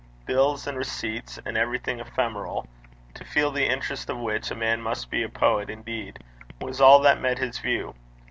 Bills and receipts, and everything ephemeral to feel the interest of which, a man must be a poet indeed was all that met his view.